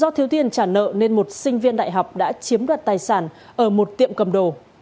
do thiếu tiền trả nợ nên một sinh viên đại học đã chiếm đoạt tài sản ở một tiệm cầm đồ